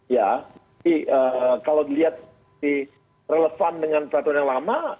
ya jadi kalau dilihat relevan dengan peraturan yang lama